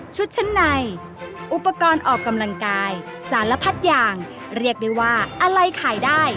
ชุดชั้นในอุปกรณ์ออกกำลังกายสารพัดอย่างเรียกได้ว่าอะไรขายได้